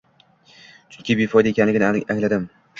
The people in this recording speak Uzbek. Chunki befoyda ekanligini angladim’